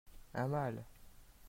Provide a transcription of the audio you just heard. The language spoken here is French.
Un mâle.